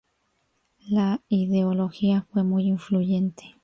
La ideología fue muy influyente.